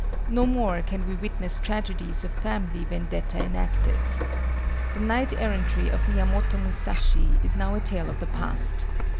No more can we witness tragedies of family vendetta enacted. The knight errantry of Miyamoto Musashi is now a tale of the past.